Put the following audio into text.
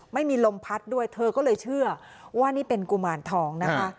ไม่มีลมพัดด้วยเธอก็เลยเชื่อว่านี่เป็นกุมารทองนะคะ